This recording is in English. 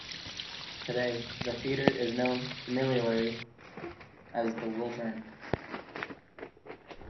Today, the theater is known familiarly as the Wiltern.